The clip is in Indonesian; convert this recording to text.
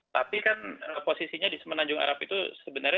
tapi kan posisinya di semenanjung arab itu sebenarnya